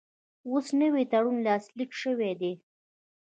اوس نوی تړون لاسلیک شوی دی.